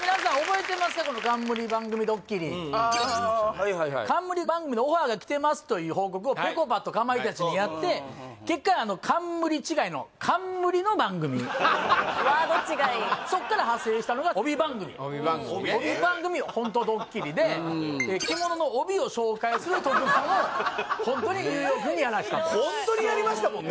はいはいはい冠番組のオファーがきてますという報告をぺこぱとかまいたちにやって結果「冠」違いの冠の番組ワード違いそっから派生したのが帯番組帯番組ね帯番組ホントドッキリで着物の帯を紹介する特番をホントにニューヨークにやらしたホントにやりましたもんね